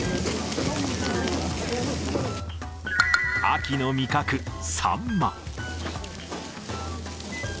秋の味覚、サンマ。